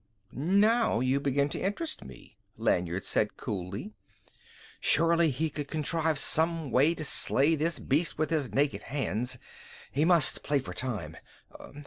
"Now you do begin to interest me," Lanyard said coolly.... Surely he could contrive some way to slay this beast with his naked hands! He must play for time....